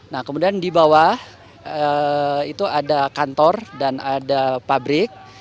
nah kemudian di bawah itu ada kantor dan ada pabrik